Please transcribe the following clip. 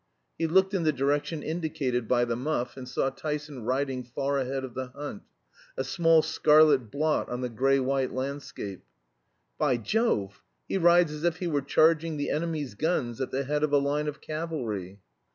He looked in the direction indicated by the muff, and saw Tyson riding far ahead of the hunt, a small scarlet blot on the gray white landscape. "By Jove! he rides as if he were charging the enemy's guns at the head of a line of cavalry."